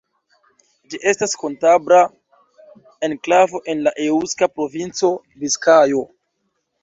Ĝi estas kantabra enklavo en la eŭska provinco Biskajo.